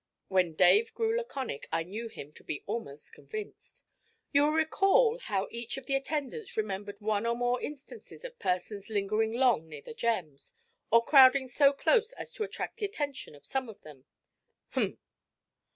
When Dave grew laconic I knew him to be almost convinced. 'You will recall how each of the attendants remembered one or more instances of persons lingering long near the gems, or crowding so close as to attract the attention of some of them.' 'Umph!'